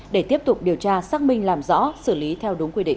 để tiếp tục điều tra xác minh làm rõ xử lý theo đúng quy định